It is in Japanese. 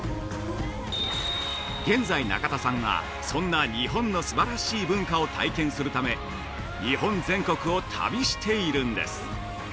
現在中田さんは、そんな日本のすばらしい文化を体験するため日本全国を旅しているんです。